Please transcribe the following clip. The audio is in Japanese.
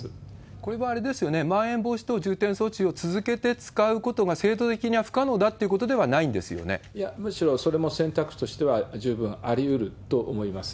これもあれですよね、まん延防止等重点措置を続けて使うことが制度的に不可能だといういや、むしろそれも選択肢としては十分ありうると思います。